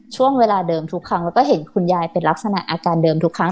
ช่วงเวลาเดิมทุกครั้งแล้วก็เห็นคุณยายเป็นลักษณะอาการเดิมทุกครั้ง